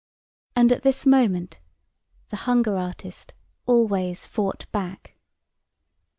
And at this moment the hunger artist always fought back.